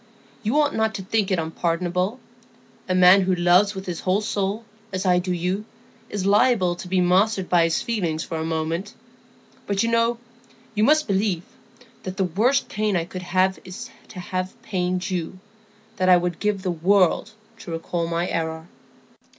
You ought not to think it unpardonable; a man who loves with his whole soul, as I do you, is liable to be mastered by his feelings for a moment; but you know—you must believe—that the worst pain I could have is to have pained you; that I would give the world to recall the error."